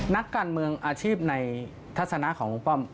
นักการเมืองอาชีพในทัศนะของลุงป้อม